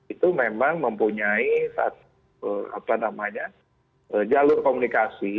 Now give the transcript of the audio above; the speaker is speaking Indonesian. itu memang mempunyai satu jalur komunikasi